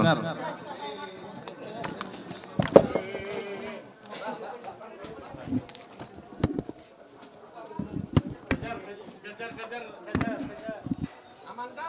kejar kejar kejar kejar kejar